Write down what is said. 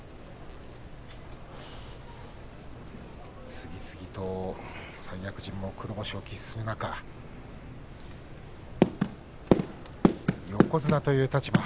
次々と三役陣が黒星を喫する中横綱という立場